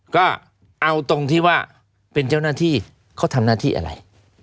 ก็เอาตรงที่ว่าเป็นเจ้าหน้าที่เขาทำหน้าที่อะไร